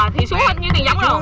thì xuống hết như tiền giống rồi